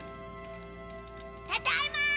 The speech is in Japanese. ・ただいま！